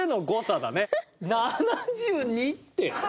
７２って。